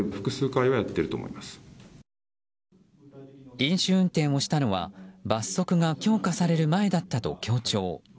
飲酒運転をしたのは罰則が強化される前だったと強調。